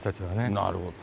なるほど。